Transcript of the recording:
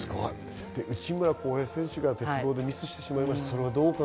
内村航平選手が鉄棒でミスしてしまいました。